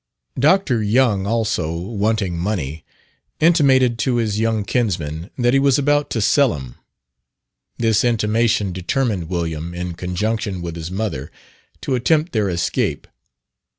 Dr. Young also, wanting money, intimated to his young kinsman that he was about to sell him. This intimation determined William, in conjunction with his mother, to attempt their escape.